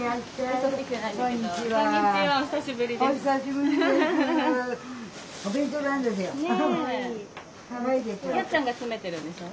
お久しぶりです。